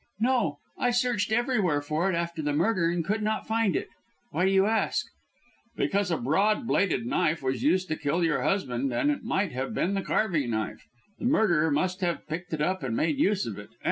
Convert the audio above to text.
"No. I searched everywhere for it after the murder and could not find it. Why do you ask?" "Because a broad bladed knife was used to kill your husband, and it might have been the carving knife. The murderer must have picked it up and made use of it.